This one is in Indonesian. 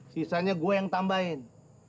sisanya gua yang tambahin